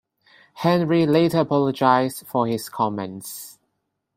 Henry later apologised for his comments.